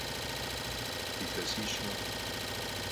Yilhesiş mexhu.